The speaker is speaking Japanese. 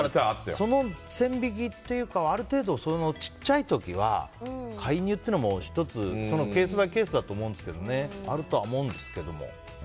その線引きっていうかある程度、小さい時は介入というのも１つケースバイケースだと思うんですけどあるとは思うんですけども。